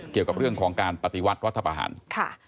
เกี่ยวกับเรื่องของการปฏิวัติวัฒน์วัฒนภาพอาหาร